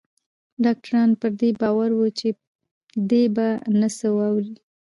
ډاکتران پر دې باور وو چې دی به نه څه واوري.